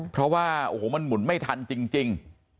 เพราะว่าโอ้โหมันหมุนไม่ทันจริง